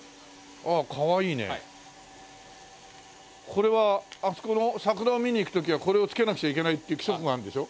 これはあそこの桜を見に行く時はこれをつけなくちゃいけないっていう規則があるんでしょ？